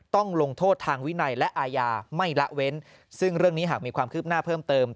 ต้องลงโทษทางวินัยและอาญาไม่ละเว้นซึ่งเรื่องนี้หากมีความคืบหน้าเพิ่มเติม